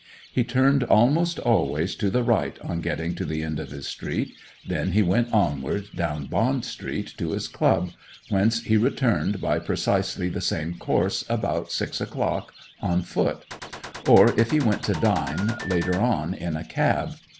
He turned almost always to the right on getting to the end of his street, then he went onward down Bond Street to his club, whence he returned by precisely the same course about six o'clock, on foot; or, if he went to dine, later on in a cab.